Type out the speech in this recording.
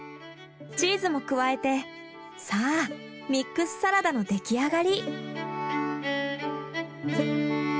チーズも加えてさあミックスサラダの出来上がり。